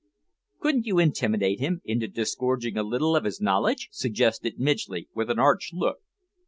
"Couldn't you intimidate him into disgorging a little of his knowledge?" suggested Midgley, with an arch look.